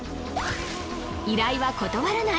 依頼は断らない！